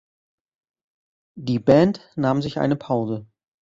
Die Band nahm sich eine Pause.